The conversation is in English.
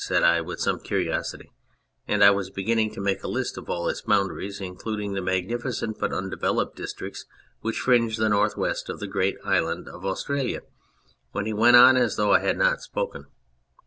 " said I with some curiosity, and I was beginning to make a list of all its boundaries, including the magnificent but undeveloped districts which fringe the north west of the great island of Australia, when he went on as though I had not spoken